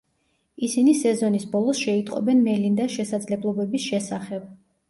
ისინი სეზონის ბოლოს შეიტყობენ მელინდას შესაძლებლობის შესახებ.